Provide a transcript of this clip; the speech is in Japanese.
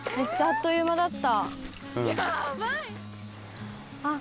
あっという間だった。